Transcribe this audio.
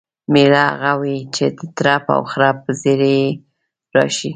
مېړه همغه وي چې د ترپ و خرپ زیري یې راشي.